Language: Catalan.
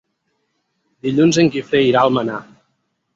Dilluns en Guifré irà a Almenar.